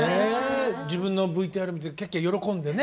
自分のＶＴＲ見てキャッキャ喜んでね。